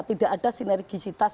tidak ada sinergisitas